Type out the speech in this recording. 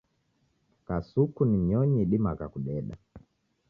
Kasuku ni nyonyi idimagha kudeda